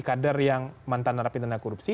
kader yang mantan narapi dana korupsi